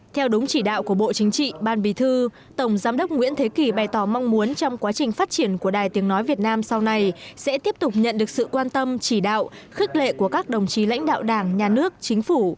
theo đúng chỉ đạo của bộ chính trị ban bí thư tổng giám đốc nguyễn thế kỳ bày tỏ mong muốn trong quá trình phát triển của đài tiếng nói việt nam sau này sẽ tiếp tục nhận được sự quan tâm chỉ đạo khức lệ của các đồng chí lãnh đạo đảng nhà nước chính phủ